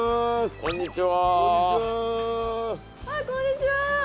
こんにちは。